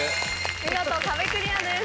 見事壁クリアです。